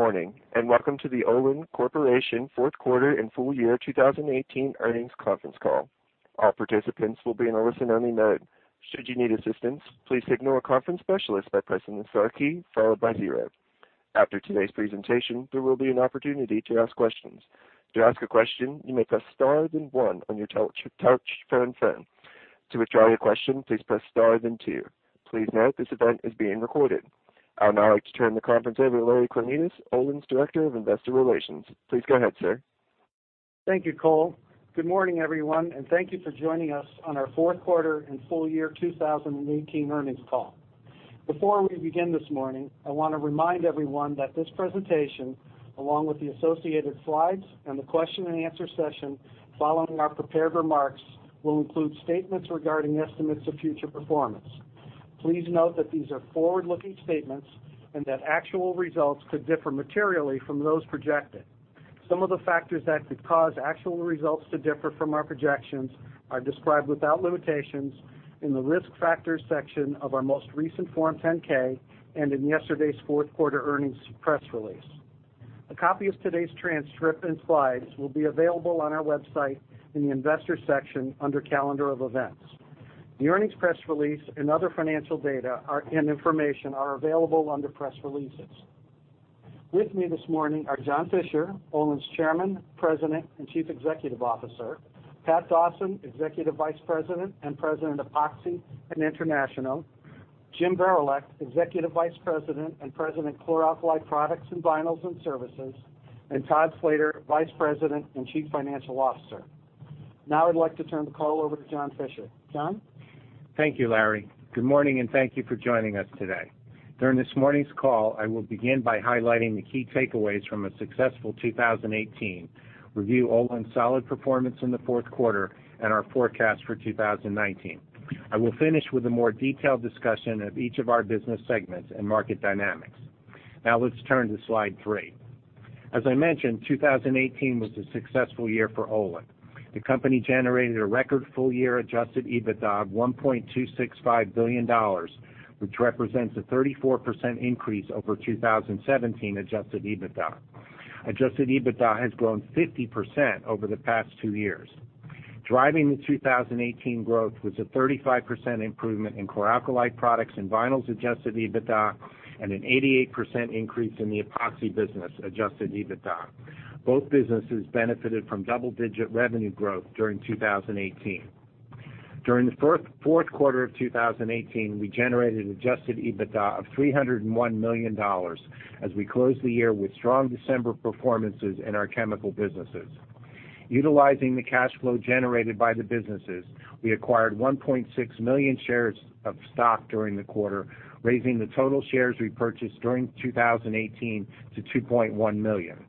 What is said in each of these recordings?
Morning, welcome to the Olin Corporation fourth quarter and full year 2018 earnings conference call. All participants will be in a listen-only mode. Should you need assistance, please signal a conference specialist by pressing the star key followed by zero. After today's presentation, there will be an opportunity to ask questions. To ask a question, you may press star then one on your touch phone. To withdraw your question, please press star then two. Please note this event is being recorded. I would now like to turn the conference over to Larry Kromidas, Olin's Director of Investor Relations. Please go ahead, sir. Thank you, Cole. Good morning, everyone. thank you for joining us on our fourth quarter and full year 2018 earnings call. Before we begin this morning, I want to remind everyone that this presentation, along with the associated slides and the question and answer session following our prepared remarks, will include statements regarding estimates of future performance. Please note that these are forward-looking statements and that actual results could differ materially from those projected. Some of the factors that could cause actual results to differ from our projections are described without limitations in the Risk Factors section of our most recent Form 10-K and in yesterday's fourth quarter earnings press release. A copy of today's transcript and slides will be available on our website in the Investors section under Calendar of Events. The earnings press release and other financial data and information are available under Press Releases. With me this morning are John Fischer, Olin's Chairman, President, and Chief Executive Officer; Pat Dawson, Executive Vice President and President of Epoxy and International; Jim Varilek, Executive Vice President and President, Chlor Alkali Products and Vinyls and Services; and Todd Slater, Vice President and Chief Financial Officer. I'd like to turn the call over to John Fischer. John? Thank you, Larry. Good morning, and thank you for joining us today. During this morning's call, I will begin by highlighting the key takeaways from a successful 2018, reviewing Olin's solid performance in the fourth quarter, and our forecast for 2019. I will finish with a more detailed discussion of each of our business segments and market dynamics. Let's turn to slide three. As I mentioned, 2018 was a successful year for Olin. The company generated a record full-year adjusted EBITDA of $1.265 billion, which represents a 34% increase over 2017 adjusted EBITDA. Adjusted EBITDA has grown 50% over the past two years. Driving the 2018 growth was a 35% improvement in Chlor-Alkali Products and Vinyls' adjusted EBITDA and an 88% increase in the Epoxy business' adjusted EBITDA. Both businesses benefited from double-digit revenue growth during 2018. During the fourth quarter of 2018, we generated adjusted EBITDA of $301 million as we closed the year with strong December performances in our chemical businesses. Utilizing the cash flow generated by the businesses, we acquired 1.6 million shares of stock during the quarter, raising the total shares we purchased during 2018 to 2.1 million.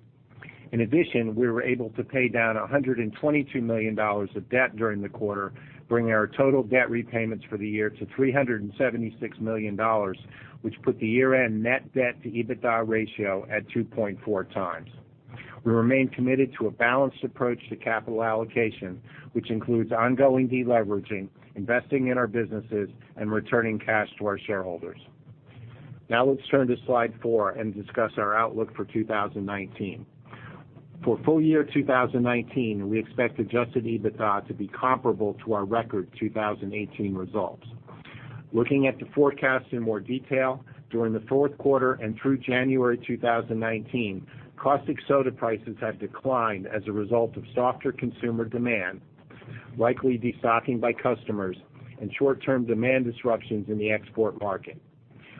In addition, we were able to pay down $122 million of debt during the quarter, bringing our total debt repayments for the year to $376 million, which put the year-end net debt to EBITDA ratio at 2.4x. We remain committed to a balanced approach to capital allocation, which includes ongoing deleveraging, investing in our businesses, and returning cash to our shareholders. Now let's turn to slide four and discuss our outlook for 2019. For the full year 2019, we expect adjusted EBITDA to be comparable to our record 2018 results. Looking at the forecast in more detail, during the fourth quarter and through January 2019, caustic soda prices have declined as a result of softer consumer demand, likely destocking by customers, and short-term demand disruptions in the export market.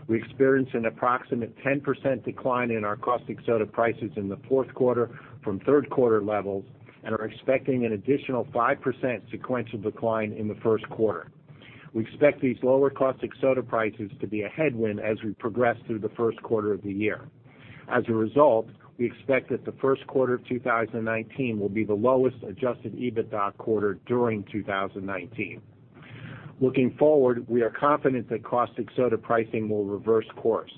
We experienced an approximate 10% decline in our caustic soda prices in the fourth quarter from third-quarter levels and are expecting an additional 5% sequential decline in the first quarter. We expect these lower caustic soda prices to be a headwind as we progress through the first quarter of the year. As a result, we expect that the first quarter of 2019 will be the lowest adjusted EBITDA quarter during 2019. Looking forward, we are confident that caustic soda pricing will reverse course.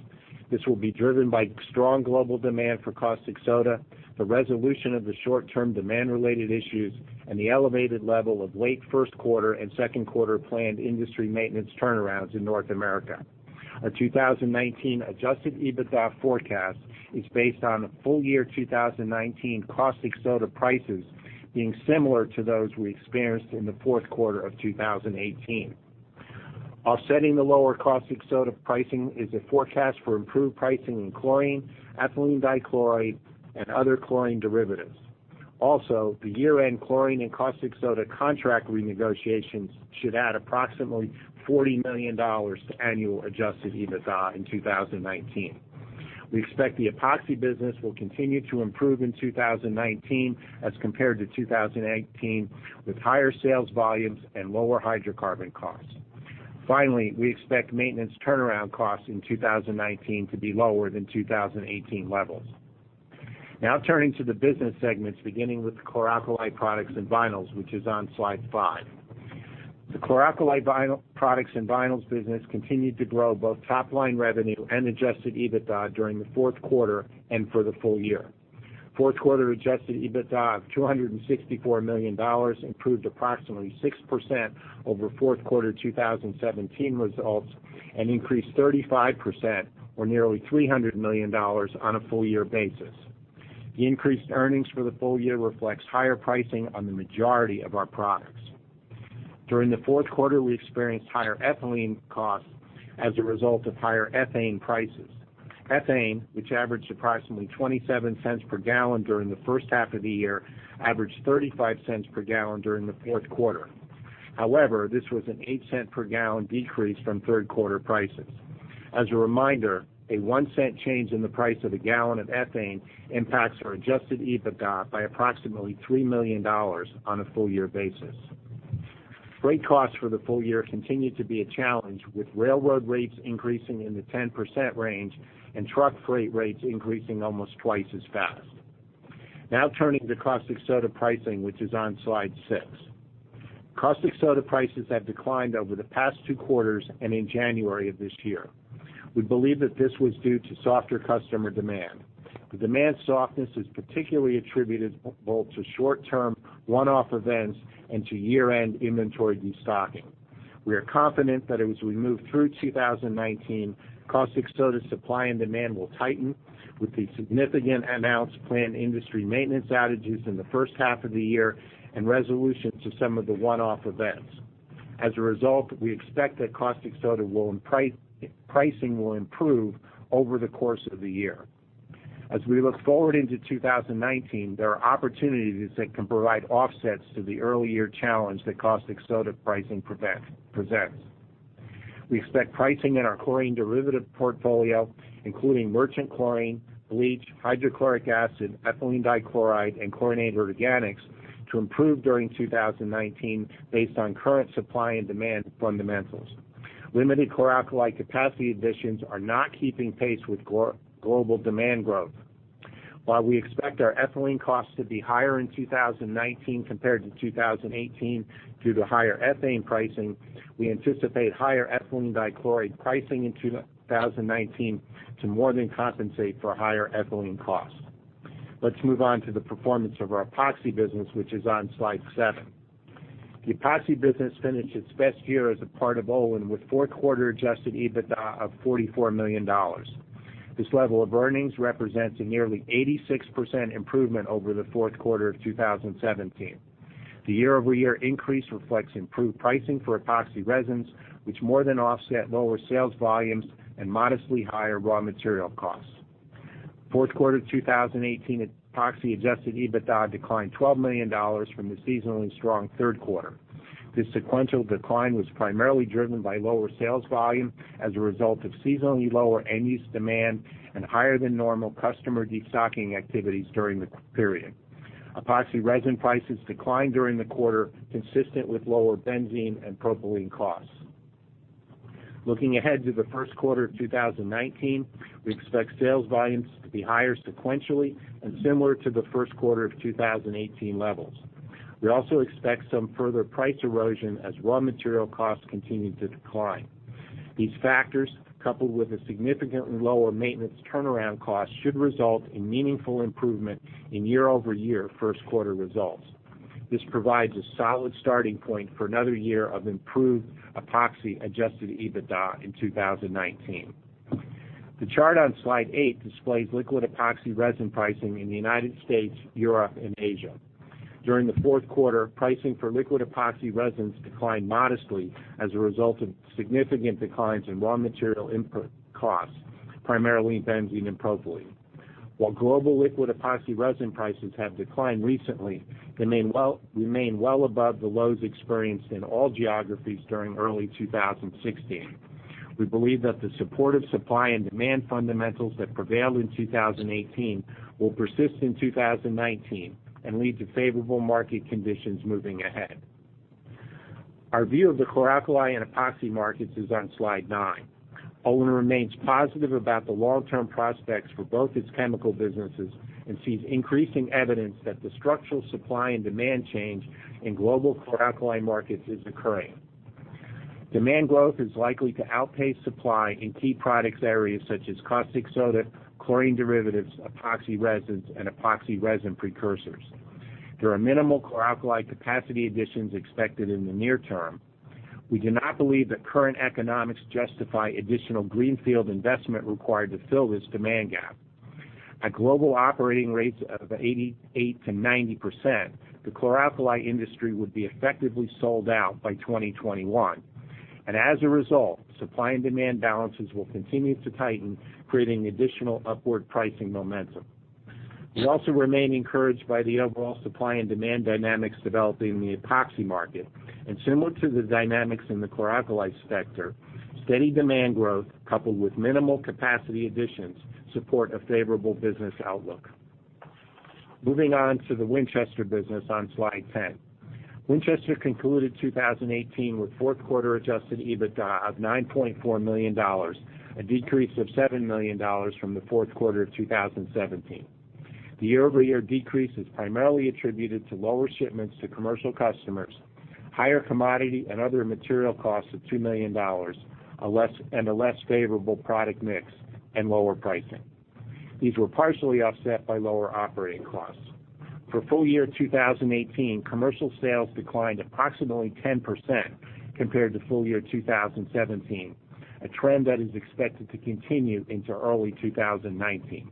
This will be driven by strong global demand for caustic soda, the resolution of the short-term demand-related issues, and the elevated level of late first-quarter and second-quarter planned industry maintenance turnarounds in North America. Our 2019 adjusted EBITDA forecast is based on full-year 2019 caustic soda prices being similar to those we experienced in the fourth quarter of 2018. Offsetting the lower caustic soda pricing is a forecast for improved pricing in chlorine, ethylene dichloride, and other chlorine derivatives. The year-end chlorine and caustic soda contract renegotiations should add approximately $40 million to annual adjusted EBITDA in 2019. We expect the Epoxy business will continue to improve in 2019 as compared to 2018, with higher sales volumes and lower hydrocarbon costs. We expect maintenance turnaround costs in 2019 to be lower than 2018 levels. Turning to the business segments, beginning with the Chlor-Alkali Products and Vinyls, which is on slide five. The Chlor Alkali Products and Vinyls business continued to grow both top-line revenue and adjusted EBITDA during the fourth quarter and for the full year. Fourth quarter adjusted EBITDA of $264 million improved approximately 6% over fourth quarter 2017 results and increased 35%, or nearly $300 million, on a full-year basis. The increased earnings for the full year reflects higher pricing on the majority of our products. During the fourth quarter, we experienced higher ethylene costs as a result of higher ethane prices. Ethane, which averaged approximately $0.27 per gallon during the first half of the year, averaged $0.35 per gallon during the fourth quarter. This was an $0.08 per gallon decrease from third-quarter prices. As a reminder, a $0.01 change in the price of a gallon of ethane impacts our adjusted EBITDA by approximately $3 million on a full-year basis. Freight costs for the full year continued to be a challenge, with railroad rates increasing in the 10% range and truck freight rates increasing almost twice as fast. Now turning to caustic soda pricing, which is on slide six. Caustic soda prices have declined over the past two quarters and in January of this year. We believe that this was due to softer customer demand. The demand softness is particularly attributable to short-term one-off events and to year-end inventory destocking. We are confident that as we move through 2019, caustic soda supply and demand will tighten with the significant announced planned industry maintenance outages in the first half of the year and resolutions of some of the one-off events. As a result, we expect that caustic soda pricing will improve over the course of the year. As we look forward into 2019, there are opportunities that can provide offsets to the early-year challenge that caustic soda pricing presents. We expect pricing in our chlorine derivative portfolio, including merchant chlorine, bleach, hydrochloric acid, ethylene dichloride, and chlorinated organics, to improve during 2019 based on current supply and demand fundamentals. Limited chlor-alkali capacity additions are not keeping pace with global demand growth. While we expect our ethylene costs to be higher in 2019 compared to 2018 due to higher ethane pricing, we anticipate higher ethylene dichloride pricing in 2019 to more than compensate for higher ethylene costs. Let's move on to the performance of our epoxy business, which is on slide seven. The epoxy business finished its best year as a part of Olin, with a fourth-quarter adjusted EBITDA of $44 million. This level of earnings represents a nearly 86% improvement over the fourth quarter of 2017. The year-over-year increase reflects improved pricing for epoxy resins, which more than offset lower sales volumes and modestly higher raw material costs. Fourth quarter 2018 epoxy-adjusted EBITDA declined $12 million from the seasonally strong third quarter. This sequential decline was primarily driven by lower sales volume as a result of seasonally lower end-use demand and higher than normal customer destocking activities during the period. Epoxy resin prices declined during the quarter, consistent with lower benzene and propylene costs. Looking ahead to the first quarter of 2019, we expect sales volumes to be higher sequentially and similar to the first quarter of 2018 levels. We also expect some further price erosion as raw material costs continue to decline. These factors, coupled with the significantly lower maintenance turnaround costs, should result in meaningful improvement in year-over-year first quarter results. This provides a solid starting point for another year of improved epoxy-adjusted EBITDA in 2019. The chart on slide eight displays liquid epoxy resin pricing in the U.S., Europe, and Asia. During the fourth quarter, pricing for liquid epoxy resins declined modestly as a result of significant declines in raw material input costs, primarily in benzene and propylene. While global liquid epoxy resin prices have declined recently, they remain well above the lows experienced in all geographies during early 2016. We believe that the supportive supply and demand fundamentals that prevailed in 2018 will persist in 2019 and lead to favorable market conditions moving ahead. Our view of the chlor-alkali and epoxy markets is on slide nine. Olin remains positive about the long-term prospects for both its chemical businesses and sees increasing evidence that the structural supply and demand change in Global Chlor-Alkali markets is occurring. Demand growth is likely to outpace supply in key product areas such as caustic soda, chlorine derivatives, epoxy resins, and epoxy resin precursors. There are minimal chlor-alkali capacity additions expected in the near term. We do not believe that current economics justify additional greenfield investment required to fill this demand gap. At global operating rates of 88%-90%, the chlor-alkali industry would be effectively sold out by 2021. As a result, supply and demand balances will continue to tighten, creating additional upward pricing momentum. We also remain encouraged by the overall supply and demand dynamics developing in the epoxy market. Similar to the dynamics in the chlor-alkali sector, steady demand growth coupled with minimal capacity additions support a favorable business outlook. Moving on to the Winchester business on slide 10. Winchester concluded 2018 with fourth quarter adjusted EBITDA of $9.4 million, a decrease of $7 million from the fourth quarter of 2017. The year-over-year decrease is primarily attributed to lower shipments to commercial customers. Higher commodity and other material costs of $2 million, and a less favorable product mix and lower pricing. These were partially offset by lower operating costs. For the full year 2018, commercial sales declined approximately 10% compared to the full year 2017, a trend that is expected to continue into early 2019.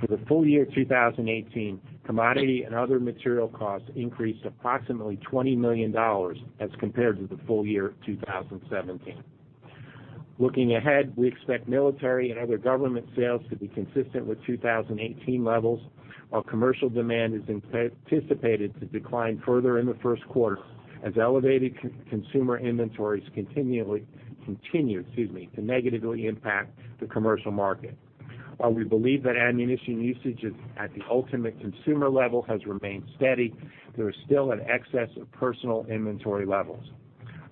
For the full year 2018, commodity and other material costs increased approximately $20 million as compared to the full year 2017. Looking ahead, we expect military and other government sales to be consistent with 2018 levels, while commercial demand is anticipated to decline further in the first quarter as elevated consumer inventories continue to negatively impact the commercial market. While we believe that ammunition usage at the ultimate consumer level has remained steady, there is still an excess of personal inventory levels.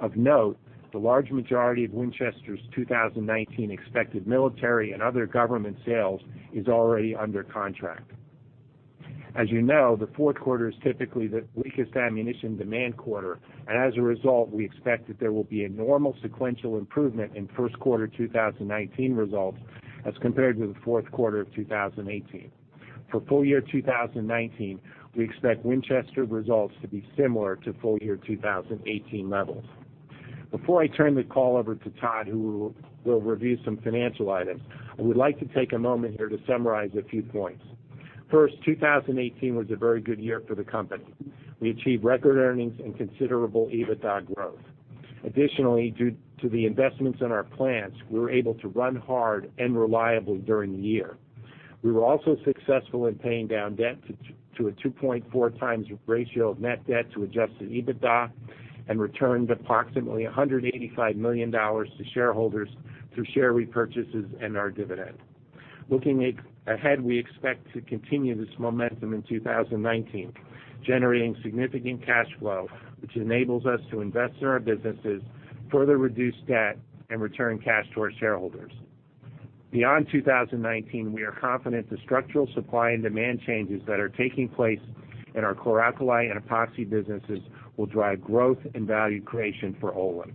Of note, the large majority of Winchester's 2019 expected military and other government sales is already under contract. As you know, the fourth quarter is typically the weakest ammunition demand quarter. As a result, we expect that there will be a normal sequential improvement in first quarter 2019 results as compared to the fourth quarter of 2018. For full year 2019, we expect Winchester results to be similar to full-year 2018 levels. Before I turn the call over to Todd, who will review some financial items, I would like to take a moment here to summarize a few points. First, 2018 was a very good year for the company. We achieved record earnings and considerable EBITDA growth. Additionally, due to the investments in our plants, we were able to run hard and reliably during the year. We were also successful in paying down debt to a 2.4x ratio of net debt to adjusted EBITDA and returned approximately $185 million to shareholders through share repurchases and our dividend. Looking ahead, we expect to continue this momentum in 2019, generating significant cash flow, which enables us to invest in our businesses, further reduce debt, and return cash to our shareholders. Beyond 2019, we are confident the structural supply and demand changes that are taking place in our chlor-alkali and epoxy businesses will drive growth and value creation for Olin.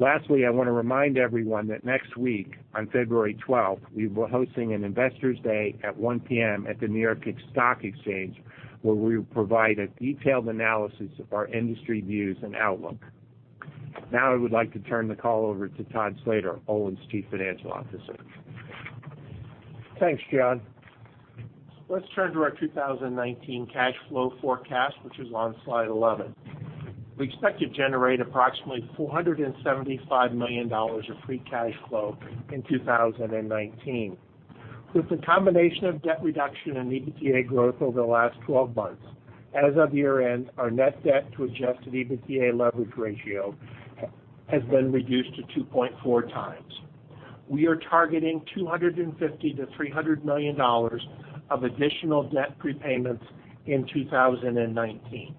I want to remind everyone that next week, on February 12th, we'll be hosting an investors' day at 1:00 P.M. at the N.Y. Stock Exchange, where we will provide a detailed analysis of our industry views and outlook. I would like to turn the call over to Todd Slater, Olin's Chief Financial Officer. Thanks, John. Let's turn to our 2019 cash flow forecast, which is on slide 11. We expect to generate approximately $475 million of free cash flow in 2019. With the combination of debt reduction and EBITDA growth over the last 12 months, as of year-end, our net debt to adjusted EBITDA leverage ratio has been reduced to 2.4x. We are targeting $250 million-$300 million of additional debt prepayments in 2019.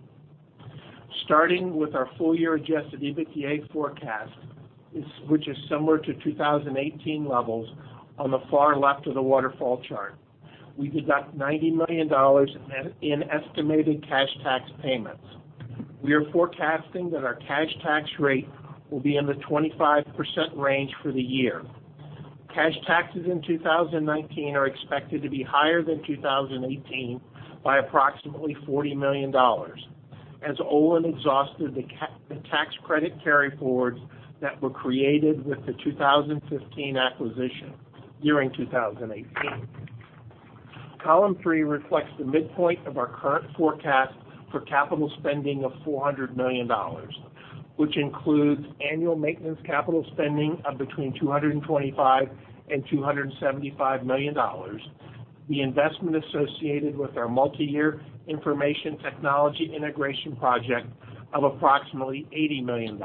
Starting with our full-year adjusted EBITDA forecast, which is similar to 2018 levels, on the far left of the waterfall chart. We deduct $90 million in estimated cash tax payments. We are forecasting that our cash tax rate will be in the 25% range for the year. Cash taxes in 2019 are expected to be higher than 2018 by approximately $40 million, as Olin exhausted the tax credit carry-forwards that were created with the 2015 acquisition during 2018. Column 3 reflects the midpoint of our current forecast for capital spending of $400 million, which includes annual maintenance capital spending of between $225 million-$275 million. The investment is associated with our multi-year information technology integration project of approximately $80 million.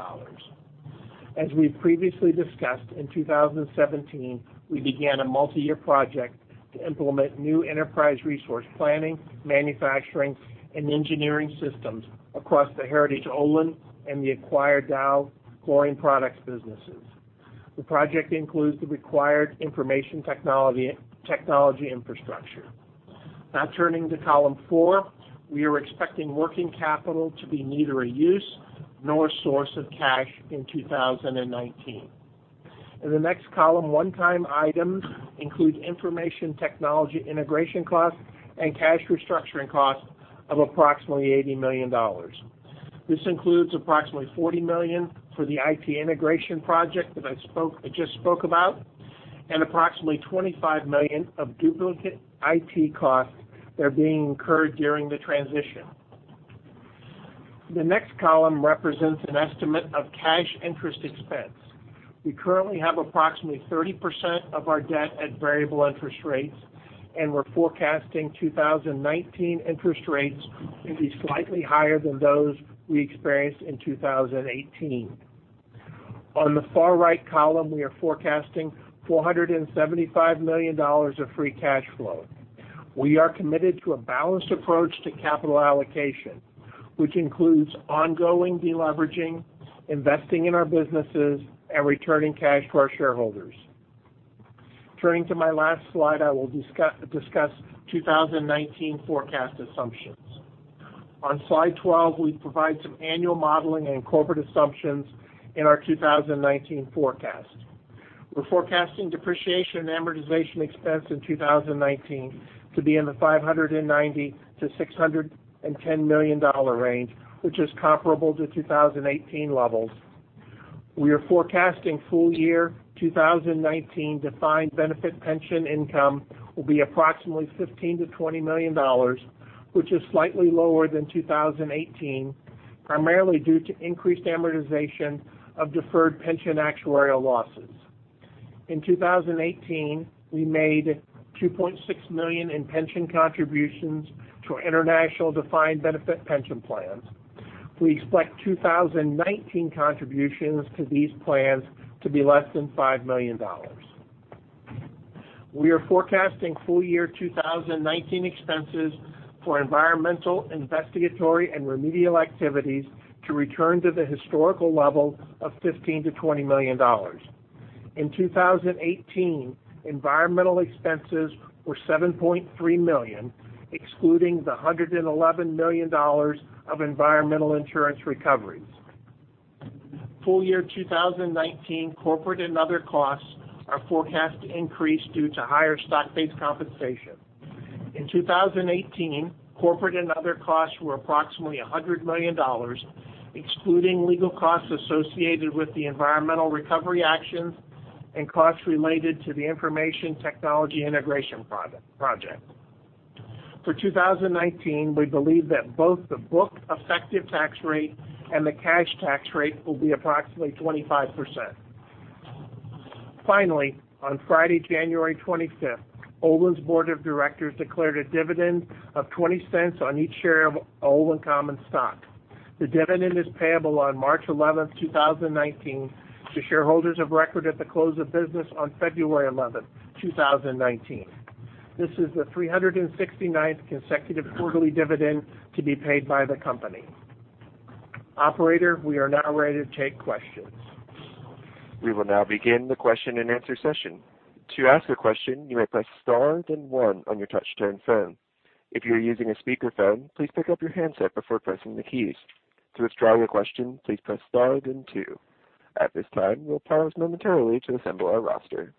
As we've previously discussed, in 2017, we began a multi-year project to implement new enterprise resource planning, manufacturing, and engineering systems across the heritage Olin and the acquired Dow chlorine products businesses. The project includes the required information technology infrastructure. Turning to Column 4, we are expecting working capital to be neither a use nor a source of cash in 2019. In the next column, one-time items include information technology integration costs and cash restructuring costs of approximately $80 million. This includes approximately $40 million for the IT integration project that I just spoke about and approximately $25 million of duplicate IT costs that are being incurred during the transition. The next column represents an estimate of cash interest expense. We currently have approximately 30% of our debt at variable interest rates, and we're forecasting 2019 interest rates to be slightly higher than those we experienced in 2018. On the far right column, we are forecasting $475 million of free cash flow. We are committed to a balanced approach to capital allocation, which includes ongoing de-leveraging, investing in our businesses, and returning cash to our shareholders. Turning to my last slide, I will discuss 2019 forecast assumptions. On slide 12, we provide some annual modeling and corporate assumptions in our 2019 forecast. We're forecasting depreciation and amortization expense in 2019 to be in the $590-$610 million range, which is comparable to 2018 levels. We are forecasting full-year 2019 defined benefit pension income will be approximately $15 million-$20 million, which is slightly lower than 2018, primarily due to increased amortization of deferred pension actuarial losses. In 2018, we made $2.6 million in pension contributions to our international defined benefit pension plans. We expect 2019 contributions to these plans to be less than $5 million. We are forecasting full-year 2019 expenses for environmental investigatory and remedial activities to return to the historical level of $15 million-$20 million. In 2018, environmental expenses were $7.3 million, excluding the $111 million of environmental insurance recoveries. Full-year 2019 corporate and other costs are forecast to increase due to higher stock-based compensation. In 2018, corporate and other costs were approximately $100 million, excluding legal costs associated with the environmental recovery actions and costs related to the information technology integration project. For 2019, we believe that both the book effective tax rate and the cash tax rate will be approximately 25%. Finally, on Friday, January 25th, Olin's board of directors declared a dividend of $0.20 on each share of Olin common stock. The dividend is payable on March 11th, 2019 to shareholders of record at the close of business on February 11th, 2019. This is the 369th consecutive quarterly dividend to be paid by the company. Operator, we are now ready to take questions. We will now begin the question-and-answer session. To ask a question, you may press star then one on your touch-tone phone. If you are using a speakerphone, please pick up your handset before pressing the keys. To withdraw your question, please press star then two. At this time, we'll pause momentarily to assemble our roster.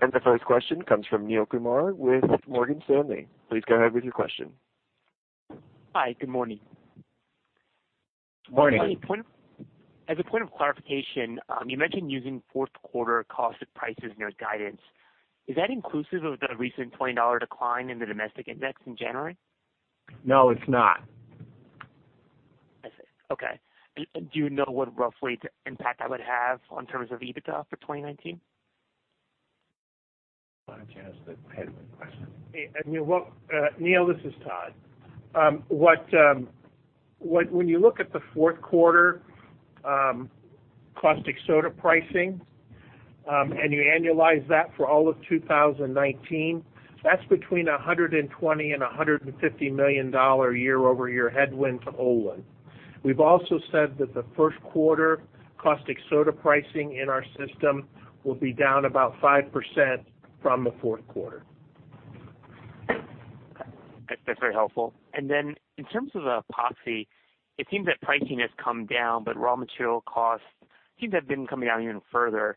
The first question comes from Neel Kumar with Morgan Stanley. Please go ahead with your question. Hi, good morning. Morning. As a point of clarification, you mentioned using fourth quarter caustic prices in your guidance. Is that inclusive of the recent $20 decline in the domestic index in January? No, it's not. I see. Okay. Do you know what the rough impact that would have on terms of EBITDA for 2019? Neel, this is Todd. When you look at the fourth quarter caustic soda pricing, you annualize that for all of 2019, that's between $120 million and $150 million year-over-year headwind to Olin. We've also said that the first quarter caustic soda pricing in our system will be down about 5% from the fourth quarter. That's very helpful. In terms of epoxy, it seems that pricing has come down; raw material costs seem to have been coming down even further.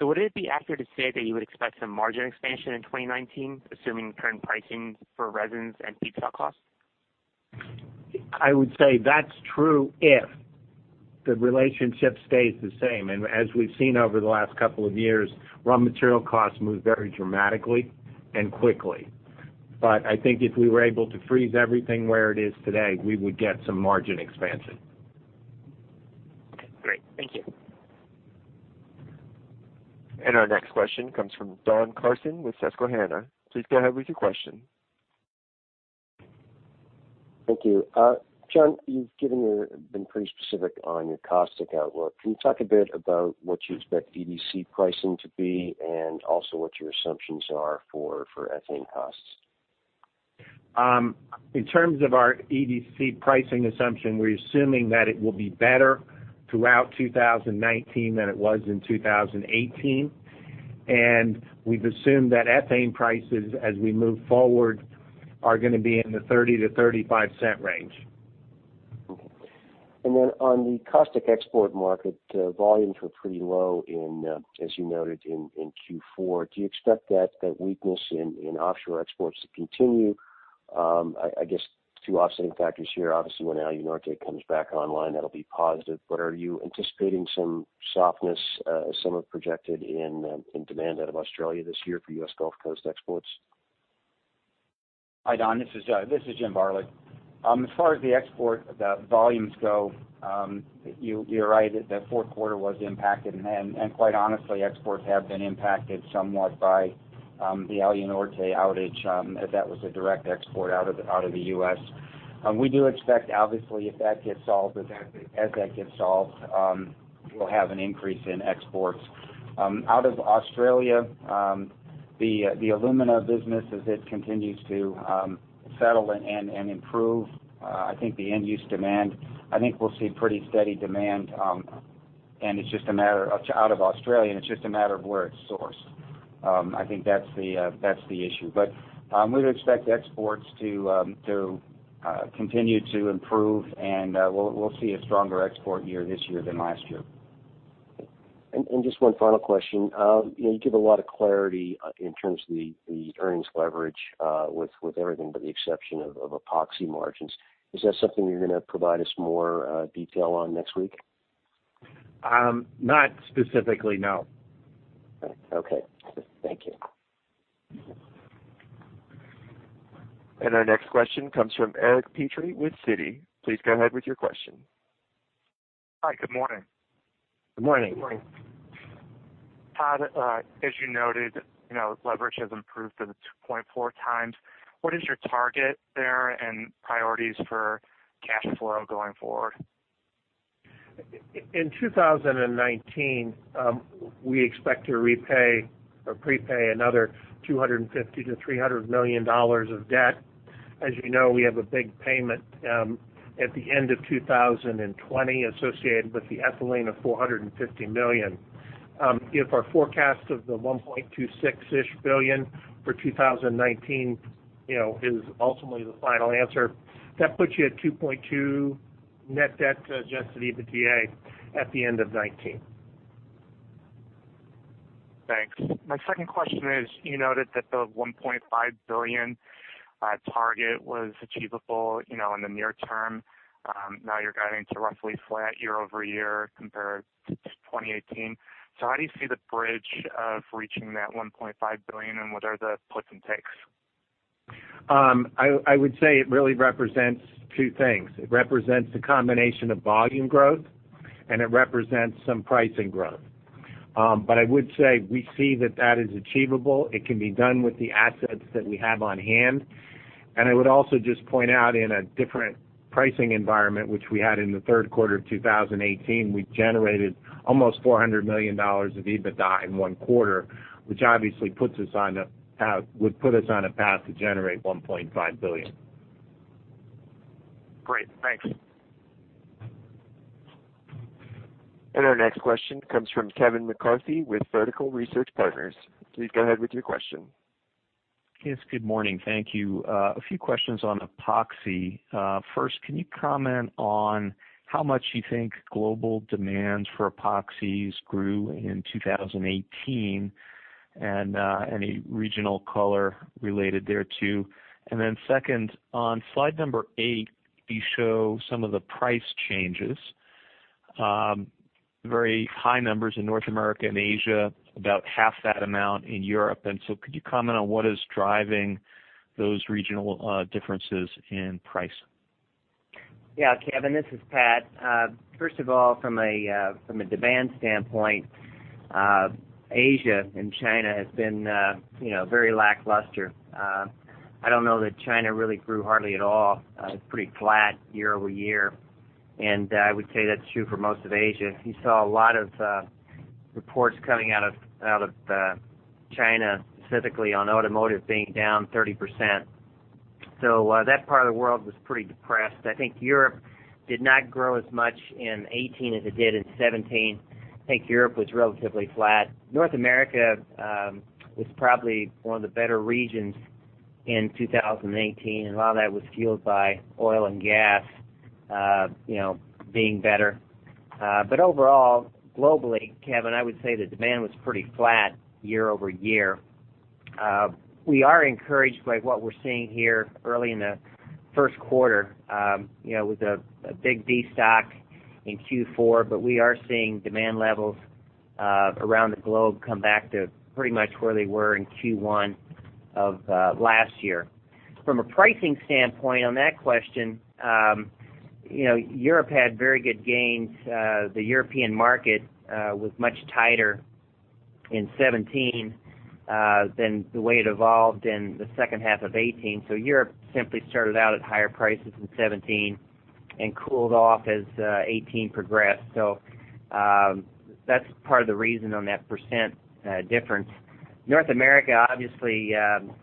Would it be accurate to say that you would expect some margin expansion in 2019, assuming current pricing for resins and feedstock costs? I would say that's true if the relationship stays the same. As we've seen over the last couple of years, raw material costs move very dramatically and quickly. I think if we were able to freeze everything where it is today, we would get some margin expansion. Okay, great. Thank you. Our next question comes from Don Carson with Susquehanna. Please go ahead with your question. Thank you. John, you've been pretty specific on your caustic outlook. Can you talk a bit about what you expect EDC pricing to be and also what your assumptions are for ethane costs? In terms of our EDC pricing assumption, we're assuming that it will be better throughout 2019 than it was in 2018. We've assumed that ethane prices, as we move forward, are going to be in the $0.30-$0.35 range. Okay. Then on the caustic export market, volumes were pretty low, as you noted, in Q4. Do you expect that weakness in offshore exports to continue? I guess two offsetting factors here. Obviously when Alunorte comes back online, that'll be positive, but are you anticipating some softness, some are projected in demand out of Australia this year for the U.S. Gulf Coast exports? Hi, Don. This is Jim Varilek. As far as the export volumes go, you're right that fourth quarter was impacted; quite honestly, exports have been impacted somewhat by the Alunorte outage. That was a direct export out of the U.S. We do expect, obviously, as that gets solved, we'll have an increase in exports out of Australia. The alumina business as it continues to settle and improve. I think the end use demand, I think we'll see pretty steady demand. Out of Australia, it's just a matter of where it's sourced. I think that's the issue. We'd expect exports to continue to improve, and we'll see a stronger export year this year than last year. Just one final question. You give a lot of clarity in terms of earnings leverage with everything but the exception of epoxy margins. Is that something you're going to provide us more detail on next week? Not specifically, no. Okay. Thank you. Our next question comes from Eric Petrie with Citi. Please go ahead with your question. Hi. Good morning. Good morning. Good morning. Todd, as you noted, leverage has improved to 2.4x. What is your target there and your priorities for cash flow going forward? In 2019, we expect to repay or prepay another $250 million-$300 million of debt. As you know, we have a big payment at the end of 2020 associated with the ethylene of $450 million. If our forecast of the $1.26 billion for 2019 is ultimately the final answer, that puts you at a 2.2x net debt adjusted EBITDA at the end of 2019. Thanks. My second question is, you noted that the $1.5 billion target is achievable in the near term. You're guiding to a roughly flat year-over-year compared to 2018. How do you see the bridge to reaching that $1.5 billion, and what are the puts and takes? I would say it really represents two things. It represents the combination of volume growth, and it represents some pricing growth. I would say we see that that is achievable. It can be done with the assets that we have on hand. I would also just point out in a different pricing environment, which we had in the third quarter of 2018, we generated almost $400 million of EBITDA in one quarter, which obviously would put us on a path to generate $1.5 billion. Great. Thanks. Our next question comes from Kevin McCarthy with Vertical Research Partners. Please go ahead with your question. Yes, good morning. Thank you. A few questions on epoxy. First, can you comment on how much you think global demands for epoxies grew in 2018 and any regional color related thereto? Second, on slide number eight, you show some of the price changes. Very high numbers in North America and Asia, about half that amount in Europe. Could you comment on what is driving those regional differences in price? Kevin, this is Pat. First of all, from a demand standpoint, Asia and China have been very lackluster. I don't know that China really grew hard at all. It's pretty flat year-over-year. I would say that's true for most of Asia. You saw a lot of reports coming out of China, specifically on automotive being down 30%. That part of the world was pretty depressed. I think Europe did not grow as much in 2018 as it did in 2017. I think Europe was relatively flat. North America was probably one of the better regions in 2018, and a lot of that was fueled by oil and gas being better. Overall, globally, Kevin, I would say the demand was pretty flat year-over-year. We are encouraged by what we're seeing here early in the first quarter with a big destock in Q4. We are seeing demand levels around the globe come back to pretty much where they were in Q1 of last year. From a pricing standpoint on that question, Europe had very good gains. The European market was much tighter in 2017 than the way it evolved in the second half of 2018. Europe simply started out at higher prices in 2017 and cooled off as 2018 progressed. That's part of the reason for that percent difference. North America, obviously,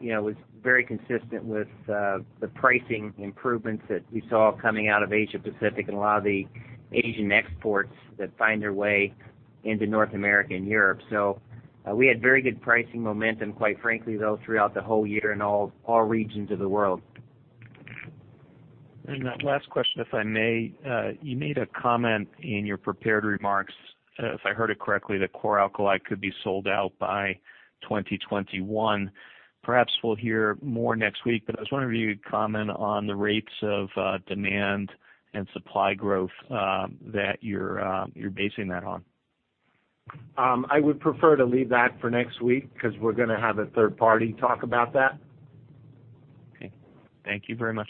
was very consistent with the pricing improvements that we saw coming out of Asia-Pacific and a lot of the Asian exports that find their way into North America and Europe. We had very good pricing momentum, quite frankly, though, throughout the whole year in all regions of the world. Last question, if I may. You made a comment in your prepared remarks, if I heard it correctly, that chlor-alkali could be sold out by 2021. Perhaps we'll hear more next week. I was wondering if you could comment on the rates of demand and supply growth that you're basing that on. I would prefer to leave that for next week because we're going to have a third party talk about that. Okay. Thank you very much.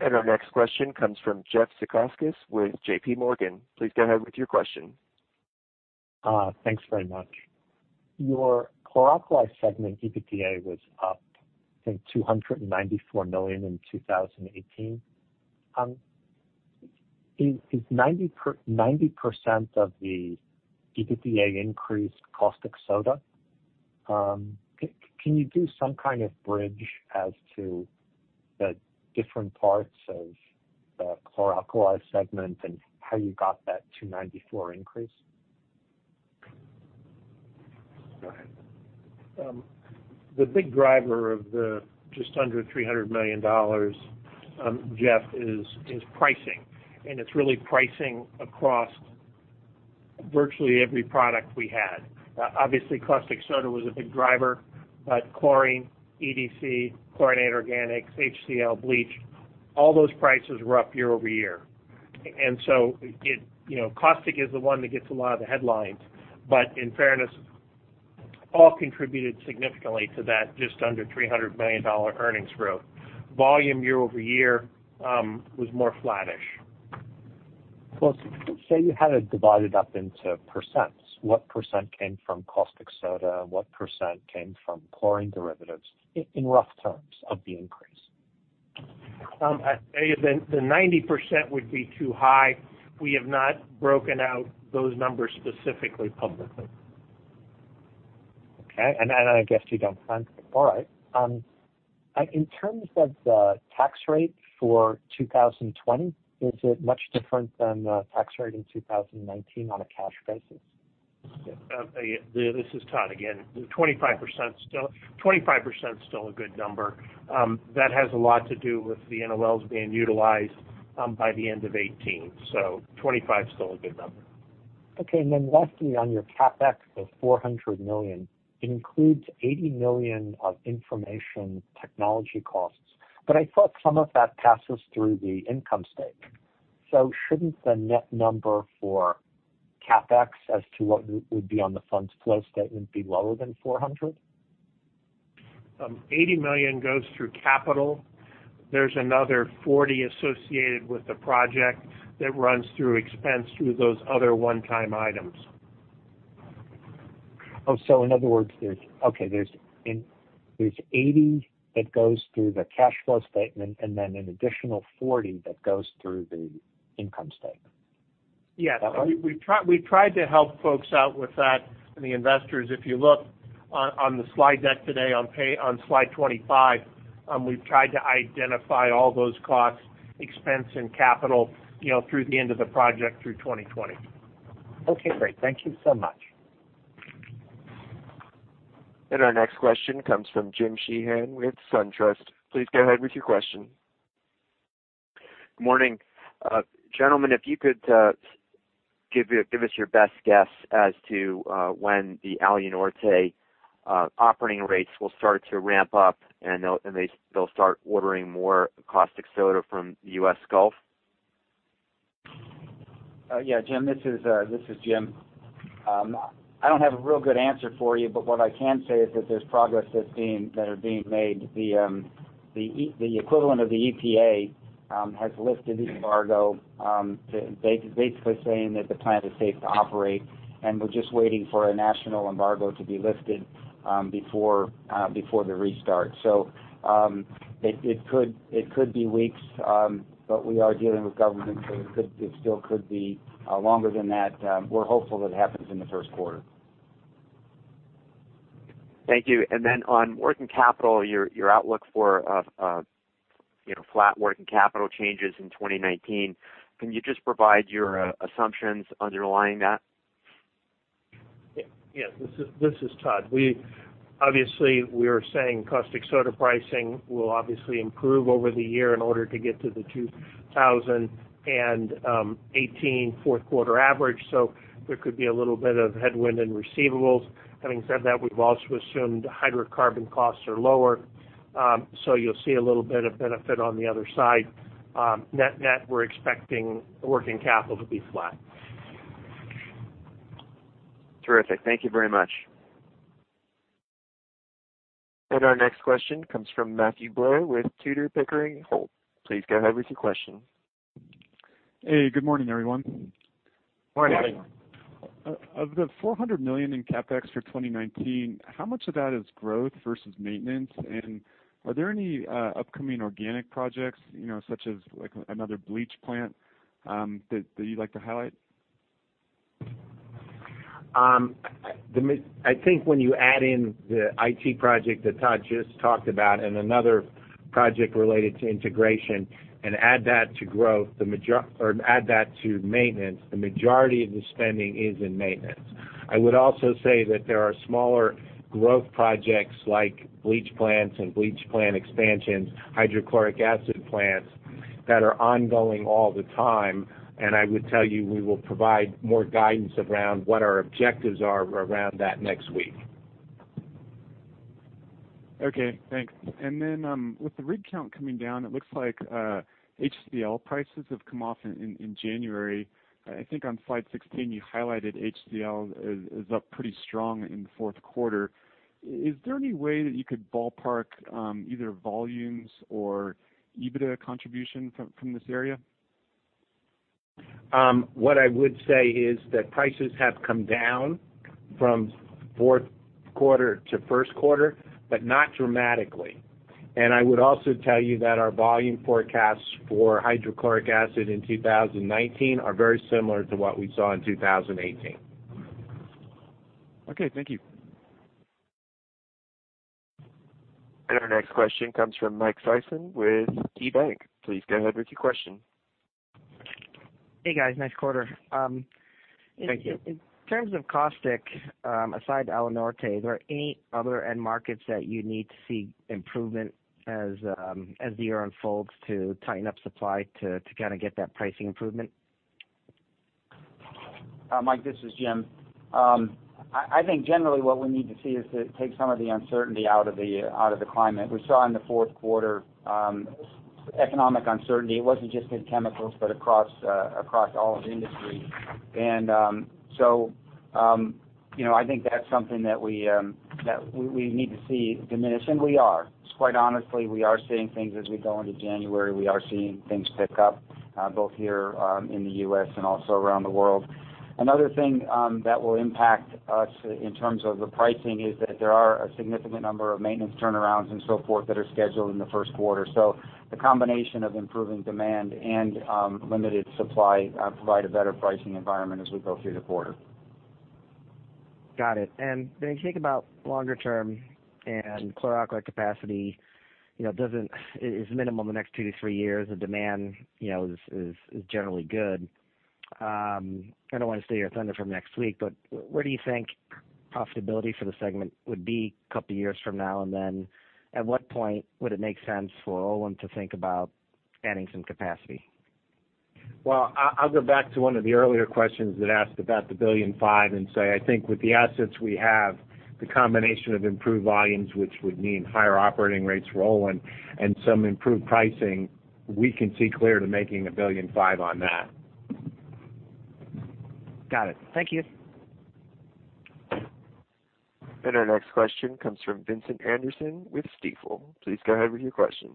Our next question comes from Jeff Zekauskas with JPMorgan. Please go ahead with your question. Thanks very much. Your chlor-alkali segment EBITDA was up, I think, $294 million in 2018. Is 90% of the EBITDA increase caustic soda? Can you do some kind of bridge as to the different parts of the chlor-alkali segment and how you got that $294 million increase? Go ahead. The big driver of the just under $300 million, Jeff, is pricing. It's really pricey across virtually every product we had. Obviously, caustic soda was a big driver, but chlorine, EDC, chlorinated organics, and HCL bleach—all those prices were up year-over-year. Caustic is the one that gets a lot of the headlines, but in fairness, all contributed significantly to that just under $300 million earnings growth. Volume year-over-year was more flattish. Well, say you had it divided up into percentages. What percentage came from caustic soda? What percentage came from chlorine derivatives, in rough terms, of the increase? I'd say the 90% would be too high. We have not broken out those numbers specifically publicly. Okay. I guess you don't plan to. All right. In terms of the tax rate for 2020, is it much different than the tax rate in 2019 on a cash basis? This is Todd again. 25% is still a good number. That has a lot to do with the NOLs being utilized by the end of 2018. 25 is still a good number. Okay, lastly, on your CapEx of $400 million, it includes $80 million of information technology costs. I thought some of that passed through the income statement. Shouldn't the net number for CapEx as to what would be on the funds flow statement be lower than $400? $80 million goes through capital. There's another $40 associated with the project that runs through expenses through those other one-time items. In other words, there's $80 that goes through the cash flow statement and then an additional $40 that goes through the income statement. Yes. Is that right? We tried to help folks out with that, the investors. If you look on the slide deck today on slide 25, we've tried to identify all those costs, expenses, and capital through the end of the project through 2020. Okay, great. Thank you so much. Our next question comes from Jim Sheehan with SunTrust. Please go ahead with your question. Good morning. Gentlemen, could you give us your best guess as to when the Alunorte operating rates will start to ramp up and they'll start ordering more caustic soda from the U.S. Gulf. Yeah, Jim, this is Jim. I don't have a real good answer for you, but what I can say is that there's progress that is being made. The equivalent of the EPA has lifted the embargo, basically saying that the plant is safe to operate. We're just waiting for a national embargo to be lifted before the restart. It could be weeks, but we are dealing with government, so it still could be longer than that. We're hopeful it happens in the first quarter. Thank you. On working capital, your outlook for flat working capital changes in 2019, can you just provide your assumptions underlying that? Yes. This is Todd. Obviously, we are saying caustic soda pricing will obviously improve over the year in order to get to the 2018 fourth quarter average, so there could be a little bit of headwind in receivables. Having said that, we've also assumed hydrocarbon costs are lower, so you'll see a little bit of benefit on the other side. Net-net, we're expecting working capital to be flat. Terrific. Thank you very much. Our next question comes from Matthew Blair with Tudor, Pickering, Holt. Please go ahead with your question. Hey, good morning, everyone. Morning. Morning. Of the $400 million in CapEx for 2019, how much of that is growth versus maintenance? Are there any upcoming organic projects, such as another bleach plant, that you'd like to highlight? I think when you add in the IT project that Todd just talked about and another project related to integration and add that to maintenance, the majority of the spending is in maintenance. I would also say that there are smaller growth projects like bleach plants and bleach plant expansions and hydrochloric acid plants that are ongoing all the time. I would tell you we will provide more guidance around what our objectives are around that next week. Okay, thanks. With the rig count coming down, it looks like HCL prices have come off in January. I think on slide 16, you highlighted that HCL is up pretty strong in the fourth quarter. Is there any way that you could ballpark either volumes or EBITDA contribution from this area? What I would say is that prices have come down from fourth quarter to first quarter, but not dramatically. I would also tell you that our volume forecasts for hydrochloric acid in 2019 are very similar to what we saw in 2018. Okay. Thank you. Our next question comes from Mike Sison with KeyBanc. Please go ahead with your question. Hey, guys. Nice quarter. Thank you. In terms of caustic, aside from Alunorte, are there any other end markets that you need to see improvement as the year unfolds to tighten up supply to get that pricing improvement? Mike, this is Jim. I think generally what we need to see is to take some of the uncertainty out of the climate. We saw in the fourth quarter, economic uncertainty. It wasn't just in chemicals but across all of industry. I think that's something that we need to see diminish, and we are. Quite honestly, we are seeing things as we go into January. We are seeing things pick up, both here in the U.S. and also around the world. Another thing that will impact us in terms of the pricing is that there are a significant number of maintenance turnarounds and so forth that are scheduled in the first quarter. The combination of improving demand and limited supply provides a better pricing environment as we go through the quarter. Got it. When you think about the longer term and chlor-alkali capacity is minimal in the next two to three years, the demand is generally good. I don't want to steal your thunder from next week, where do you think profitability for the segment would be a couple of years from now, and then, at what point would it make sense for Olin to think about adding some capacity? Well, I'll go back to one of the earlier questions that asked about the $1.5 billion and say, I think with the assets we have, the combination of improved volumes, which would mean higher operating rates rolling, and some improved pricing, we can see a clear path to making $1.5 billion on that. Got it. Thank you. Our next question comes from Vincent Anderson with Stifel. Please go ahead with your question.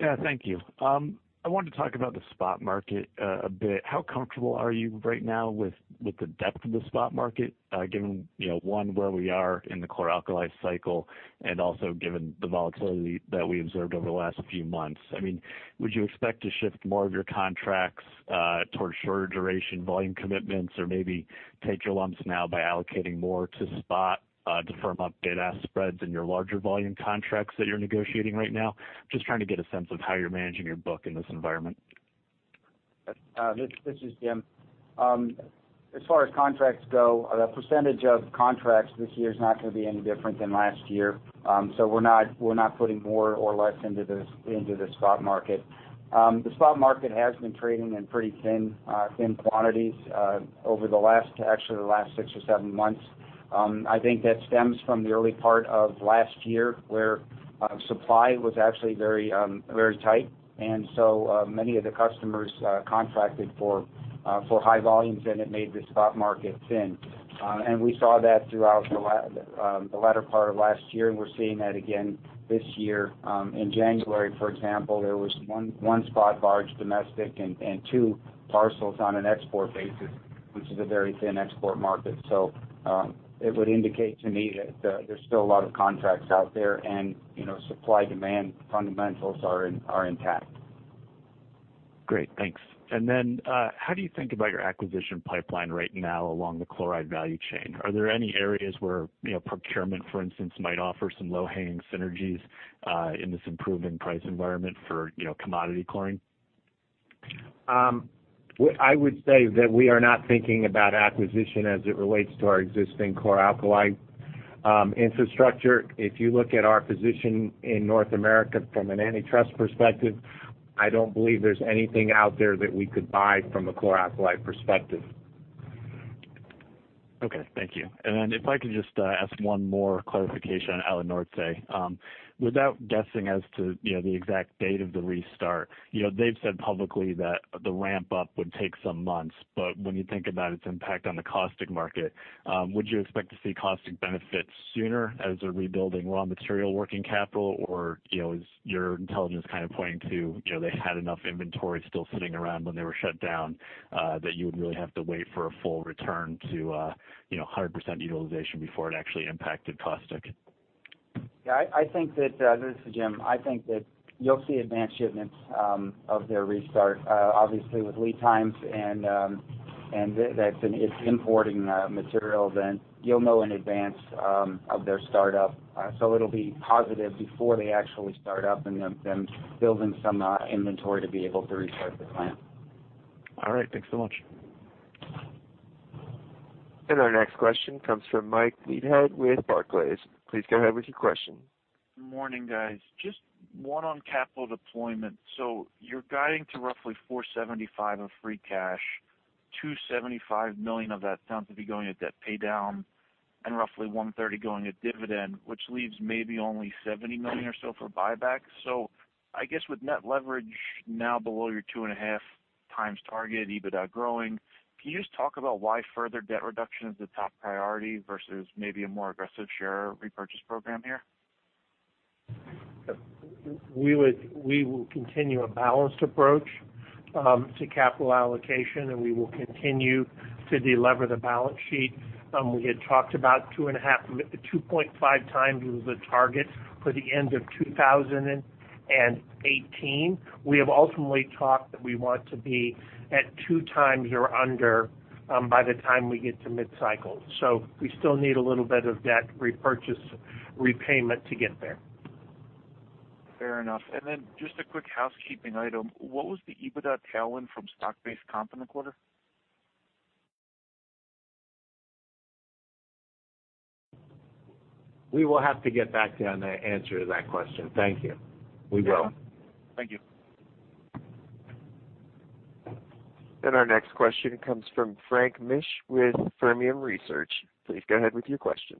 Yeah. Thank you. I wanted to talk about the spot market a bit. How comfortable are you right now with the depth of the spot market, given, one, where we are in the chlor-alkali cycle and, also, given the volatility that we observed over the last few months? Would you expect to shift more of your contracts towards shorter-duration volume commitments? Or maybe take your lumps now by allocating more to spot to firm up delta spreads in your larger volume contracts that you're negotiating right now? Just trying to get a sense of how you're managing your book in this environment. This is Jim. As far as contracts go, the percentage of contracts this year is not going to be any different than last year. We're not putting more or less into the spot market. The spot market has been trading in pretty thin quantities over the last six or seven months. I think that stems from the early part of last year, when supply was actually very tight, many of the customers contracted for high volumes, and it made the spot market thin. We saw that throughout the latter part of last year, and we're seeing that again this year. In January, for example, there was one spot barge domestically and two parcels on an export basis, which is a very thin export market. It would indicate to me that there are still a lot of contracts out there and supply-demand fundamentals are intact. Great. Thanks. How do you think about your acquisition pipeline right now along the chloride value chain? Are there any areas where procurement, for instance, might offer some low-hanging synergies in this improving price environment for commodity chlorine? I would say that we are not thinking about acquisition as it relates to our existing chlor-alkali infrastructure. If you look at our position in North America from an antitrust perspective, I don't believe there's anything out there that we could buy from a chlor-alkali perspective. Okay. Thank you. If I could just ask for one more clarification on Alunorte. Without guessing as to the exact date of the restart. They've said publicly that the ramp-up would take some months, but when you think about its impact on the caustic market, would you expect to see caustic benefits sooner as they're rebuilding raw material working capital? Or is your intelligence kind of pointing to the fact that they had enough inventory still sitting around when they were shut down that you would really have to wait for a full return to 100% utilization before it actually impacted caustic? This is Jim. I think that you'll see advanced shipments of their restart. Obviously, with lead times and the fact that it's importing material, you'll know in advance of their startup. It'll be positive before they actually start up and then build some inventory to be able to restart the plant. All right. Thanks so much. Our next question comes from Mike Leithead with Barclays. Please go ahead with your question. Morning, guys. Just one on capital deployment. You're guiding to roughly $475 million of free cash; $275 million of that sounds to be going to debt paydown, and roughly $130 million is going to dividends, which leaves maybe only $70 million or so for buyback. I guess with net leverage now below your 2.5x target and EBITDA growing, can you just talk about why further debt reduction is the top priority versus maybe a more aggressive share repurchase program here? We will continue a balanced approach to capital allocation, and we will continue to delever the balance sheet. We had talked about 2.5x being the target for the end of 2018. We have ultimately talked about how we want to be at two times or under by the time we get to mid-cycle. We still need a little bit of debt repurchase repayment to get there. Fair enough. Just a quick housekeeping item. What was the EBITDA tailwind from stock-based comp in the quarter? We will have to get back to you on the answer to that question. Thank you. We will. Thank you. Our next question comes from Frank Mitsch with Fermium Research. Please go ahead with your question.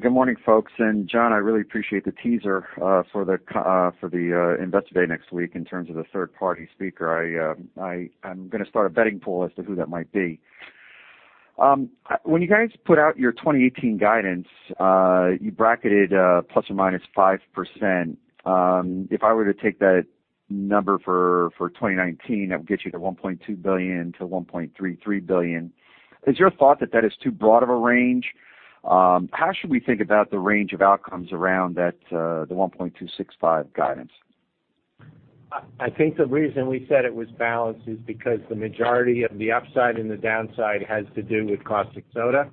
Good morning, folks, and John, I really appreciate the teaser for the Investor Day next week in terms of the third-party speaker. I am going to start a betting pool as to who that might be. When you guys put out your 2018 guidance, you bracketed ±5%. If I were to take that number for 2019, that would get you to $1.2 billion-$1.33 billion. Is your thought that that is too broad of a range? How should we think about the range of outcomes around the $1.265 guidance? I think the reason we said it was balanced is because the majority of the upside and the downside has to do with caustic soda,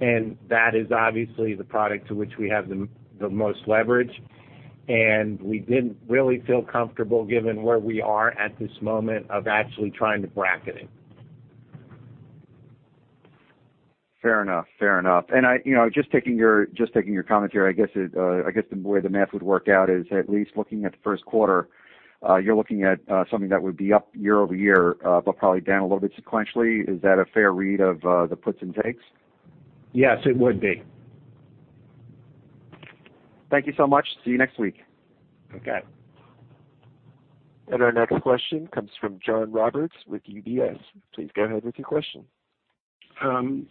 and that is obviously the product to which we have the most leverage. We didn't really feel comfortable, given where we are at this moment, actually trying to bracket it. Just taking your comment here, I guess the way the math would work out is at least looking at the first quarter, you're looking at something that would be up year-over-year but probably down a little bit sequentially. Is that a fair read of the puts and takes? Yes, it would be. Thank you so much. See you next week. Okay. Our next question comes from John Roberts with UBS. Please go ahead with your question.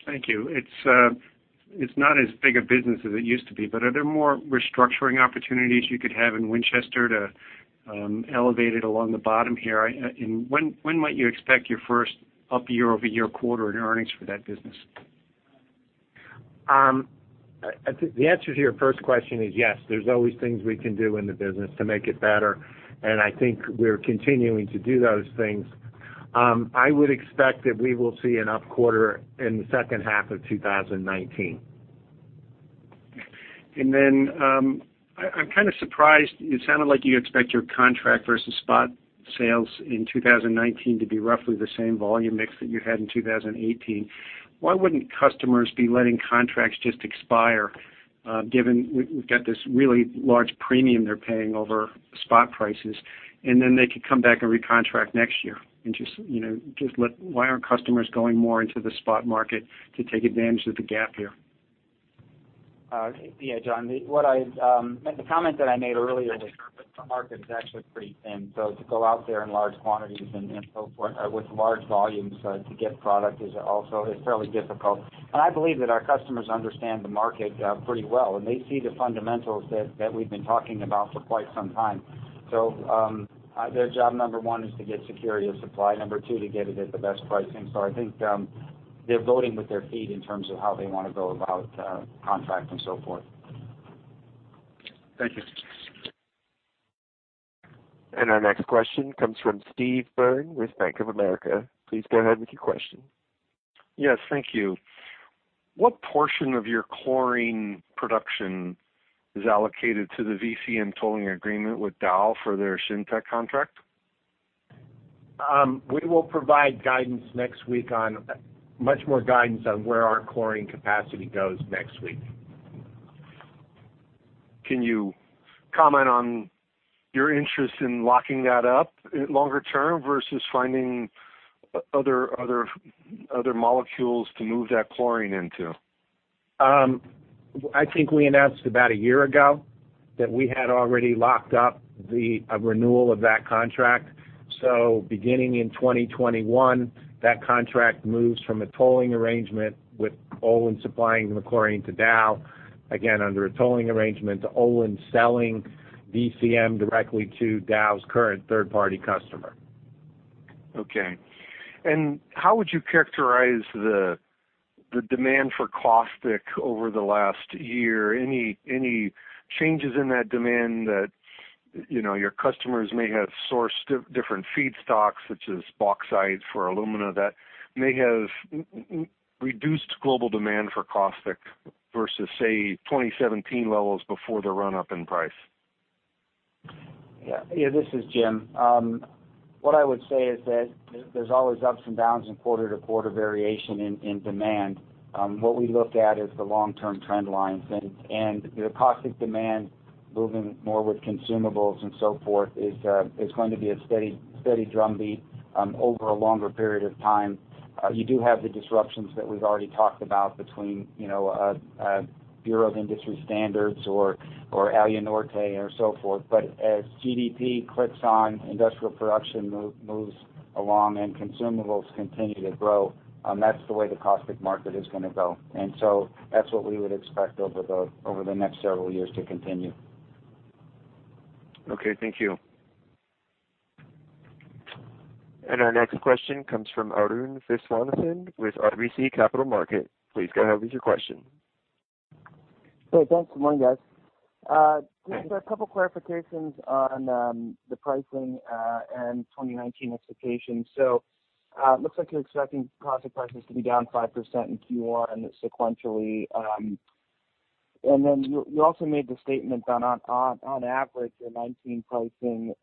Thank you. It's not as big a business as it used to be, are there more restructuring opportunities you could have in Winchester to elevate it along the bottom here? When might you expect your first up year-over-year quarter in earnings for that business? The answer to your first question is yes, there are always things we can do in the business to make it better; I think we're continuing to do those things. I would expect that we will see an up quarter in the second half of 2019. I'm kind of surprised. It sounded like you expect your contract versus spot sales in 2019 to be roughly the same volume mix that you had in 2018. Why wouldn't customers be letting contracts just expire, given we've got this really large premium they're paying over spot prices, they could come back and recontract next year. Why aren't customers going more into the spot market to take advantage of the gap here? Yeah, John, the comment that I made earlier was that the market is actually pretty thin. To go out there in large quantities and so forth with large volumes to get products is fairly difficult. I believe that our customers understand the market pretty well; they see the fundamentals that we've been talking about for quite some time. Their job number one is to get security of supply. Number two, to get it at the best pricing. I think they're voting with their feet in terms of how they want to go about contracts and so forth. Thank you. Our next question comes from Steve Byrne with Bank of America. Please go ahead with your question. Yes. Thank you. What portion of your chlorine production is allocated to the VCM tolling agreement with Dow for their Shintech contract? We will provide much more guidance on where our chlorine capacity goes next week. Can you comment on your interest in locking that up long-term versus finding other molecules to move that chlorine into? I think we announced about a year ago that we had already locked up the renewal of that contract. Beginning in 2021, that contract moves from a tolling arrangement with Olin supplying the chlorine to Dow, again under a tolling arrangement, to Olin selling VCM directly to Dow's current third-party customer. Okay. How would you characterize the demand for caustic over the last year? Any changes in that demand that your customers may have sourced different feedstocks, such as bauxite for alumina, that may have reduced global demand for caustic versus, say, 2017 levels before the run-up in price? Yeah. This is Jim. What I would say is that there are always ups and downs in quarter-to-quarter variation in demand. What we look at is the long-term trend lines. The caustic demand moving more with consumables and so forth is going to be a steady drumbeat over a longer period of time. You do have the disruptions that we've already talked about between the Bureau of Industry and Security or Alunorte or so forth. As GDP clicks on, industrial production moves along, and consumables continue to grow; that's the way the caustic market is going to go. That's what we would expect over the next several years to continue. Okay. Thank you. Our next question comes from Arun Viswanathan with RBC Capital Markets. Please go ahead with your question. Hey, thanks. Good morning, guys. Just a couple of clarifications on the pricing and 2019 expectations. It looks like you're expecting caustic prices to be down 5% in Q1 sequentially. You also made the statement that on average, your 2019 pricing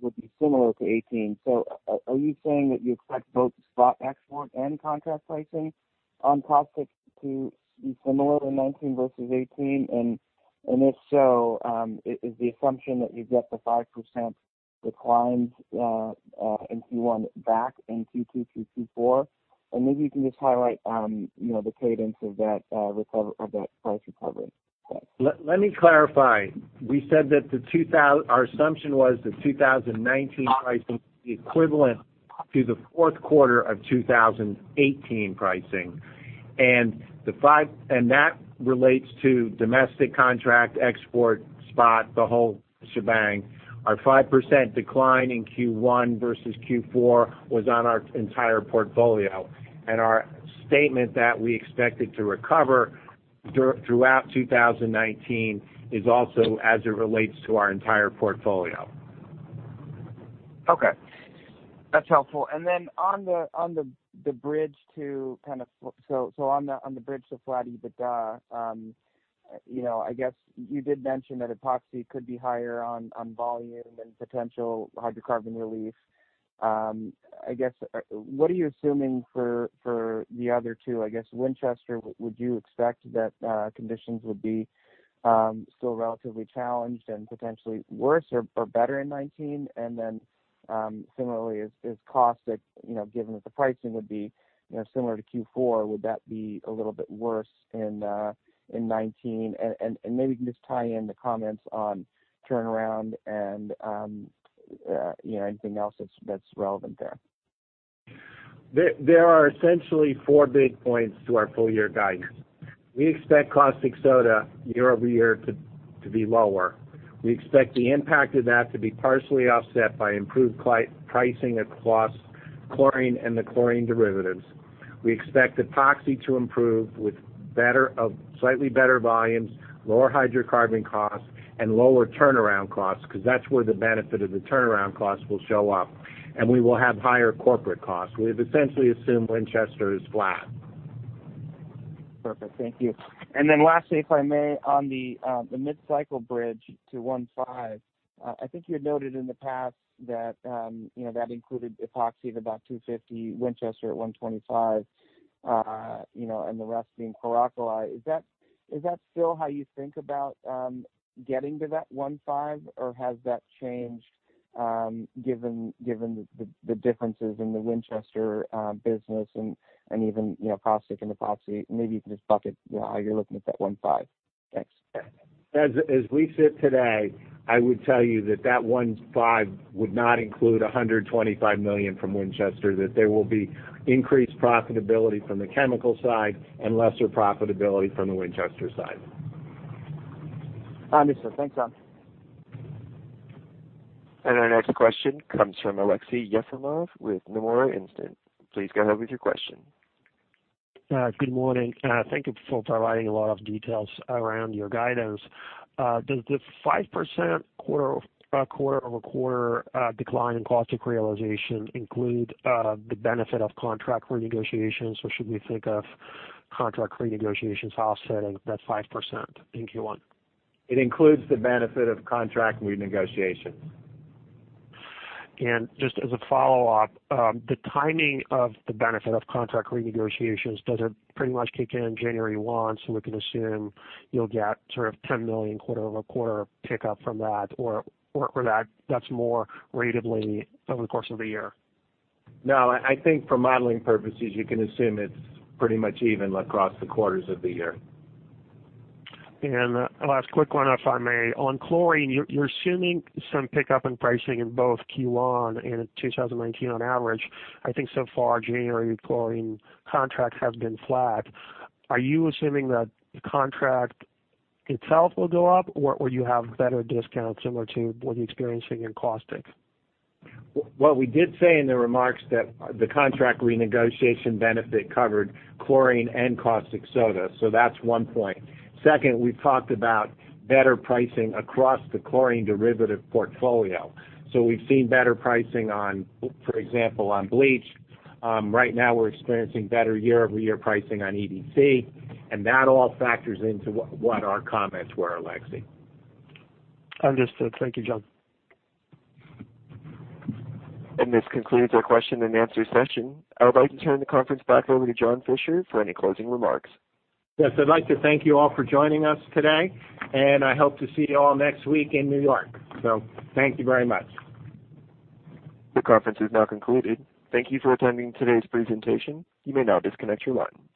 would be similar to 2018. Are you saying that you expect both spot export and contract pricing on caustic to be similar to 2019 versus 2018? If so, is the assumption that you get the 5% decline in Q1 back in Q2 through Q4? Maybe you can just highlight the cadence of that price recovery. Thanks. Let me clarify. We said that our assumption was that 2019 pricing would be equivalent to the fourth quarter of 2018 pricing. That relates to domestic contract export spot, the whole shebang. Our 5% decline in Q1 versus Q4 was on our entire portfolio. Our statement that we expected to recover throughout 2019 is also as it relates to our entire portfolio. Okay. That's helpful. Then on the bridge to flattish EBITDA, I guess you did mention that epoxy could be higher on volume and potential hydrocarbon relief. I guess, what are you assuming for the other two? I guess, Winchester, would you expect that conditions would be still relatively challenged and potentially worse or better in 2019? Similarly, is caustic, given that the pricing would be similar to Q4, would that be a little bit worse in 2019? Maybe you can just tie in the comments on turnaround and anything else that's relevant there. There are essentially four big points to our full-year guidance. We expect caustic soda year-over-year to be lower. We expect the impact of that to be partially offset by improved pricing across chlorine and the chlorine derivatives. We expect epoxy to improve with slightly better volumes, lower hydrocarbon costs, and lower turnaround costs, because that's where the benefit of the turnaround costs will show up. We will have higher corporate costs. We've essentially assumed Winchester is flat. Perfect. Thank you. Then lastly, if I may, on the mid-cycle bridge to one five, I think you had noted in the past that included epoxy of about $250, Winchester at $125, and the rest being chlor-alkali. Is that still how you think about getting to that 1/5, or has that changed given the differences in the Winchester business and even caustic and epoxy? Maybe you can just bucket how you're looking at that 1/5. Thanks. As we sit today, I would tell you that that 1/5 would not include $125 million from Winchester and that there will be increased profitability from the chemical side and lesser profitability from the Winchester side. Understood. Thanks, John. Our next question comes from Aleksey Yefremov with Nomura Instinet. Please go ahead with your question. Good morning. Thank you for providing a lot of details around your guidance. Does the 5% quarter-over-quarter decline in caustic realization include the benefit of contract renegotiations, or should we think of contract renegotiations offsetting that 5% in Q1? It includes the benefit of contract renegotiations. Just as a follow-up, the timing of the benefit of contract renegotiations, does it pretty much kick in January 1, so we can assume you'll get sort of a $10 million quarter-over-quarter pickup from that, or is that more ratably over the course of the year? No, I think for modeling purposes, you can assume it's pretty much even across the quarters of the year. Last quick one, if I may. On chlorine, you're assuming some pickup in pricing in both Q1 and in 2019 on average. I think so far, January chlorine contracts have been flat. Are you assuming that the contract itself will go up, or do you have better discounts similar to what you're experiencing in caustic? What we did say in the remarks was that the contract renegotiation benefit covered chlorine and caustic soda. That's one point. Second, we've talked about better pricing across the chlorine derivative portfolio. We've seen better pricing on, for example, bleach. Right now we're experiencing better year-over-year pricing on EDC, and that all factors into what our comments were, Aleksey. Understood. Thank you, John. This concludes our question and answer session. I would like to turn the conference back over to John Fischer for any closing remarks. Yes, I'd like to thank you all for joining us today, and I hope to see you all next week in N.Y. Thank you very much. The conference is now concluded. Thank you for attending today's presentation. You may now disconnect your line.